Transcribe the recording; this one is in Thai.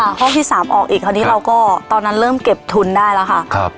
ห้องที่สามออกอีกคราวนี้เราก็ตอนนั้นเริ่มเก็บทุนได้แล้วค่ะครับ